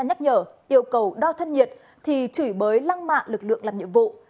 nếu các lực lượng chức năng dừng xe kiểm tra nhắc nhở yêu cầu đo thân nhiệt thì chỉ bới lăng mạ lực lượng làm nhiệm vụ